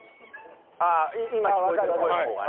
ああ今聞こえてる声の方がね。